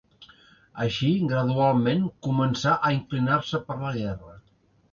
Així, gradualment, començà a inclinar-se per la guerra.